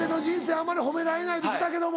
あんまり褒められないで来たけども。